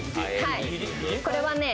これはね